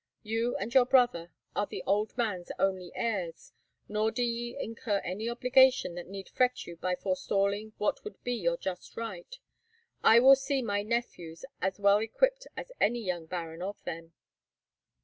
You and your brother are the old man's only heirs, nor do ye incur any obligation that need fret you by forestalling what would be your just right. I will see my nephews as well equipped as any young baron of them."